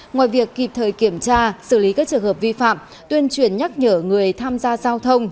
ngoài việc kịp thời kiểm tra xử lý các trường hợp vi phạm tuyên truyền nhắc nhở người tham gia giao thông